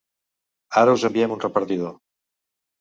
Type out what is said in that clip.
Ara us enviem un repartidor.